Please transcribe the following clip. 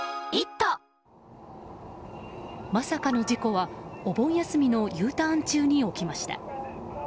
まさかの事故は、お盆休みのＵターン中に起きました。